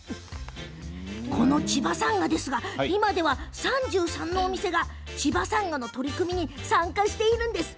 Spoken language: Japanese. この千葉さんがですが今では３３のお店が千葉さんがの取り組みに参加しているんです。